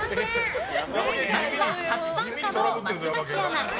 まずは初参加の松崎アナ。